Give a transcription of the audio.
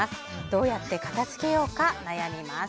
どうやって片づけようか悩みます。